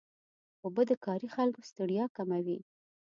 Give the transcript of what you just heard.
اوبه د کاري خلکو ستړیا کموي.